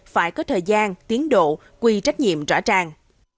phải có thời gian tiến độ quy trách nhiệm rõ ràng